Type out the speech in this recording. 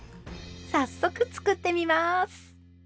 早速作ってみます。